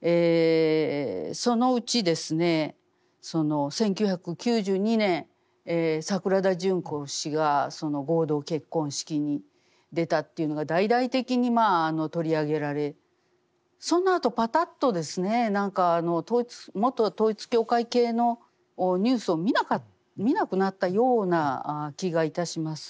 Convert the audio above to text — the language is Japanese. そのうちですね１９９２年桜田淳子氏が合同結婚式に出たというのが大々的に取り上げられそのあとパタッとですね元統一教会系のニュースを見なくなったような気がいたします。